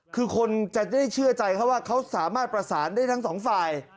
คือคนจะได้เชื่อใจเขาว่าเขาสามารถประสานได้ทั้งสองฝ่าย